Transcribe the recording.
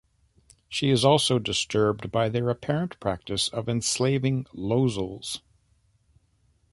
She is also disturbed by their apparent practice of enslaving Losels.